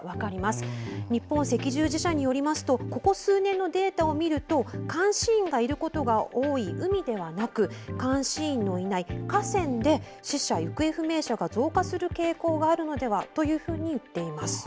日本赤十字社によりますとここ数年のデータを見ると監視員がいることが多い海ではなく監視員のいない河川で死者・行方不明者が増加する傾向があるのではというふうにいっています。